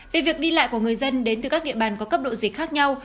về việc đi lại của người dân đến từ các địa bàn có cấp độ dịch khác nhau